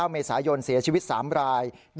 เมษายนเสียชีวิต๓ราย